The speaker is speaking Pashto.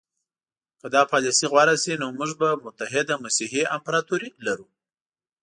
که دا پالیسي غوره شي نو موږ به متحده مسیحي امپراطوري لرو.